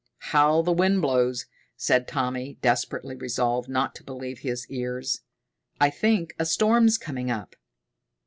"How the wind blows," said Tommy, desperately resolved not to believe his ears. "I think a storm's coming up."